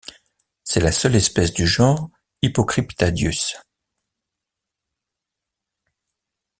C'est la seule espèce du genre Hypocryptadius.